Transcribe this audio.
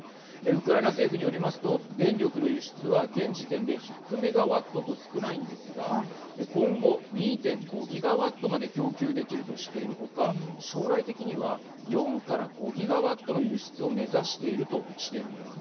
ウクライナ政府によりますと電力の輸出は現時点で１００メガワットと少ないんですが今後、２．５ギガワットまで供給できるとしているほか将来的には４から５ギガワットの輸出を目指しているとしているんです。